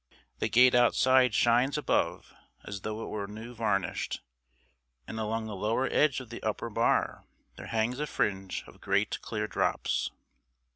The gate outside shines above as though it were new varnished, and along the lower edge of the upper bar there hangs a fringe of great clear drops.